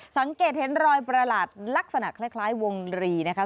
สังเกตเห็นรอยประหลาดลักษณะคล้ายวงรีนะคะ